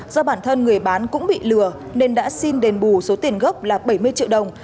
do bản thân người bán cũng bị lừa nên đã xin đền bù số tiền gốc là bảy mươi triệu đồng